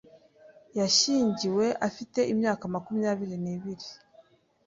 Yashyingiwe afite imyaka makumyabiri n'ibiri.